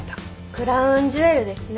クラウンジュエルですね。